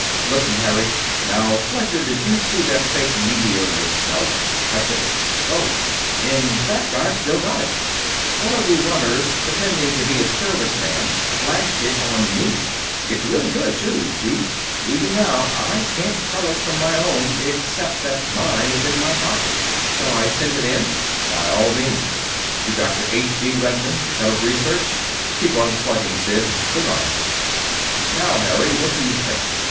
Listen, Harry. Now, Fletcher, did you see that fake meteor yourself? Touch it?" "Both. In fact, I've still got it. One of the runners, pretending to be a Service man, flashed it on me. It's really good, too, Chief. Even now, I can't tell it from my own except that mine is in my pocket. Shall I send it in?" "By all means; to Dr. H.D. Redmond, Head of Research. Keep on slugging, Sid goodbye. Now, Harry, what do you think?